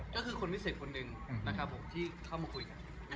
ก็คือคนพิเศษคนหนึ่งที่เข้ามาคุยกัน